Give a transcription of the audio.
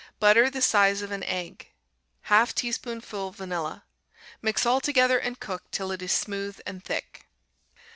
Butter the size of an egg. 1/2 teaspoonful vanilla. Mix all together and cook till it is smooth and thick.